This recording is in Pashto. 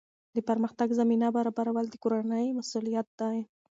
د پرمختګ زمینه برابرول د کورنۍ مسؤلیت دی.